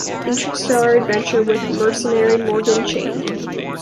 Interstellar adventure with mercenary Morgan Chane.